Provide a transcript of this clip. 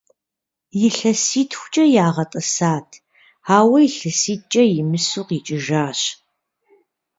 Илъэситхукӏэ ягъэтӏысат, ауэ илъэситӏкӏэ имысу къикӏыжащ.